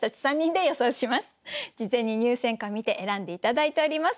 事前に入選歌を見て選んで頂いております。